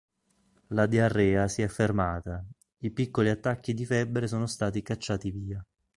La diarrea si è fermata, i piccoli attacchi di febbre sono stati cacciati via.